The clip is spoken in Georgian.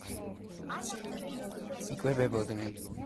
იკვებებოდნენ თესლებით, მცენარეთა ნაყოფებითა და უხერხემლოებით.